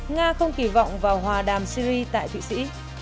nga không kỳ vọng vào hòa đàm syri tại thụy sĩ